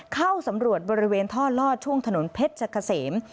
เข้าสำรวจบริเวณท่อลอดช่วงถนนเพชรเกษม